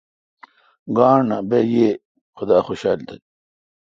گانٹھ نہ۔ بہ یئ خدا خوشال تہ۔